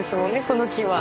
この木は。